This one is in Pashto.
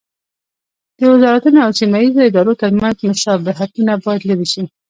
د وزارتونو او سیمه ییزو ادارو ترمنځ مشابهتونه باید لرې شي.